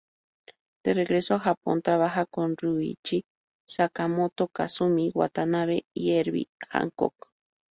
De regreso a Japón, trabaja con Ryuichi Sakamoto, Kazumi Watanabe y Herbie Hancock.